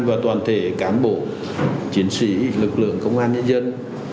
và toàn thể cán bộ chiến sĩ lực lượng công an nhân dân